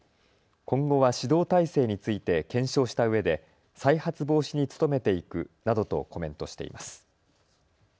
今後は指導体制について検証したうえで再発防止に努めていくなどとコメントしています。